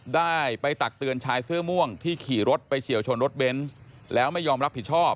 ได้ไปตักเตือนชายเสื้อม่วงที่ขี่รถไปเฉียวชนรถเบนส์แล้วไม่ยอมรับผิดชอบ